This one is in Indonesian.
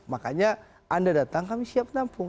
makanya anda datang kami siap nampung